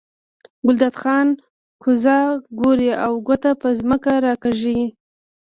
ګلداد خان کوز ګوري او ګوته په ځمکه راکاږي.